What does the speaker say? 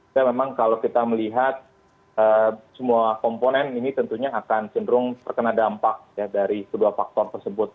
ya memang kalau kita melihat semua komponen ini tentunya akan cenderung terkena dampak dari kedua faktor tersebut